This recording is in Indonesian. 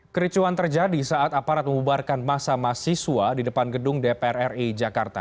kericuan terjadi saat aparat membubarkan masa mahasiswa di depan gedung dpr ri jakarta